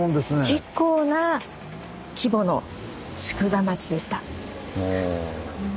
結構な規模の宿場町でした。